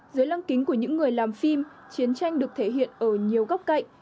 dưới lăng kính của những người làm phim chiến tranh được thể hiện ở nhiều góc cạnh